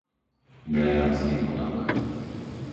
Beliansky potok